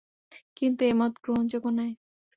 কিন্তু এ মত গ্রহণযোগ্য নয়।